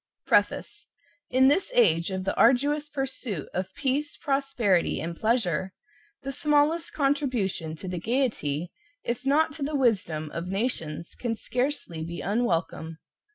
Preface. In this age of the arduous pursuit of peace, prosperity and pleasure, the smallest contribution to the gaiety, if not to the wisdom, of nations can scarcely be unwelcome.